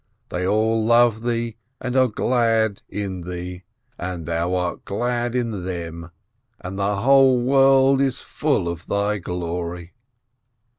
They all love Thee, and are glad in Thee, and Thou art glad in them, and the whole world is full of Thy glory."